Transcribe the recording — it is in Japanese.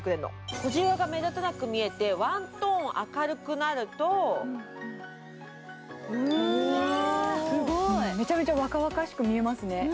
小じわが目立たなく見えて、ワントーン明るくなるとめちゃめちゃ若々しく見えますね。